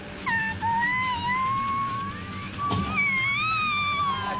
怖いよー！